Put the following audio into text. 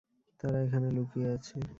তারা এখানে লুকিয়ে আছে!